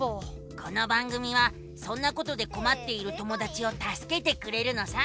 この番組はそんなことでこまっている友だちをたすけてくれるのさ。